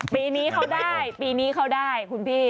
ปีนี้เขาได้ปีนี้เขาได้คุณพี่